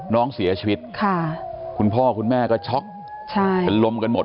น้องเสียชีวิตคุณพ่อคุณแม่ก็ช็อกลมกันหมด